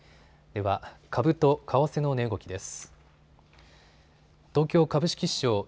では株と為替の値動きです。